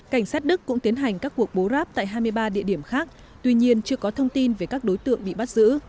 cảnh sát đức cũng tiến hành các cuộc bố ráp tại hai mươi ba địa điểm khác tuy nhiên chưa có thông tin về các đối tượng bị bắt giữ